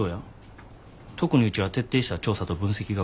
特にうちは徹底した調査と分析が売りでな。